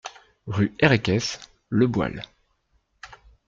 Rue Herèques, Le Boisle